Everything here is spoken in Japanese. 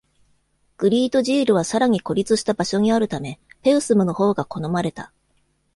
グリートジールはさらに孤立した場所にあるため、ペウスムのほうが好まれた。